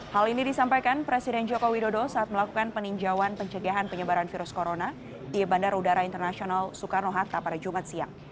hal ini disampaikan presiden joko widodo saat melakukan peninjauan pencegahan penyebaran virus corona di bandar udara internasional soekarno hatta pada jumat siang